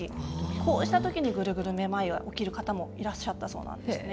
こうした時にグルグルめまいが起きる方もいらっしゃったそうなんですね。